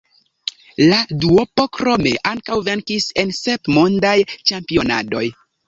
La duopo krome ankaŭ venkis en sep Mondaj Ĉampionadoj.